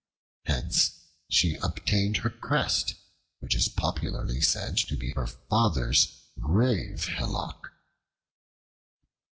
Hence she obtained her crest, which is popularly said to be her father's grave hillock.